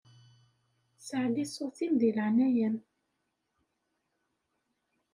Saɛli ṣṣut-im di leɛnaya-m.